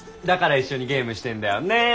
だから一緒にゲームしてんだよね。ね。